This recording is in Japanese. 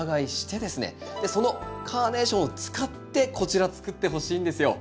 そのカーネーションを使ってこちらつくってほしいんですよ。